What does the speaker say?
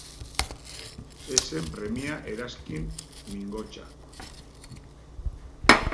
Ez zen premia eranskin mingotsa.